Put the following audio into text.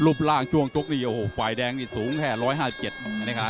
ลูบล่างจวงจกนี้ฝ่ายแดงสูงแค่๑๕๗